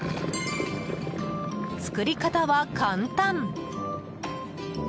作り方は簡単。